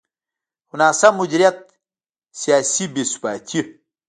خو ناسم مدیریت، سیاسي بې ثباتي.